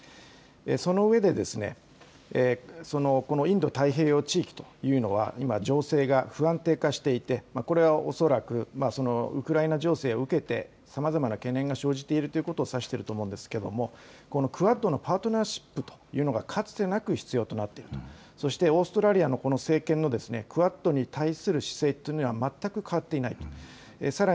その上で、このインド太平洋地域というのは今、情勢が不安定化していて、これは恐らくウクライナ情勢を受けてさまざまな懸念が生じているということを指していると思うんですけれども、このクアッドのパートナーシップというのがかつてなく必要となっている、そしてオーストラリアのこの政権のクアッドに対する姿勢というのは全く変わっていないと。